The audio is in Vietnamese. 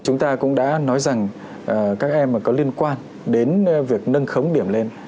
chúng ta cũng đã nói rằng các em có liên quan đến việc nâng khống điểm lên